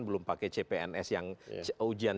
belum pakai cpns yang ujian